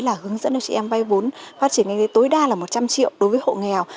là hướng dẫn cho chị em vay vốn phát triển kinh tế tối đa là một trăm linh triệu đối với hộ nghèo